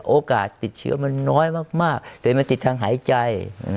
โอกาสติดเชื้อมันน้อยมากแต่มันติดทางหายใจ